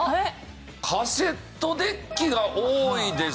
カセットデッキが多いです。